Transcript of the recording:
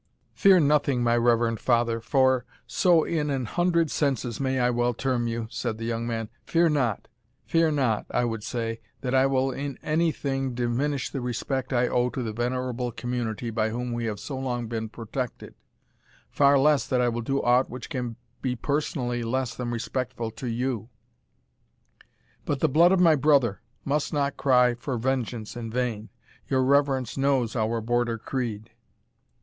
"Fear nothing, my reverend father, for so in an hundred senses may I well term you," said the young man; "fear not, I would say, that I will in any thing diminish the respect I owe to the venerable community by whom we have so long been protected, far less that I will do aught which can be personally less than respectful to you. But the blood of my brother must not cry for vengeance in vain your reverence knows our Border creed."